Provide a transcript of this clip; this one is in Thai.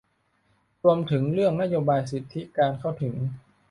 รวมถึงเรื่องนโยบายสิทธิการเข้าถึง